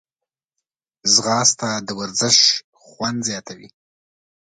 ځغاسته د ورزش خوند زیاتوي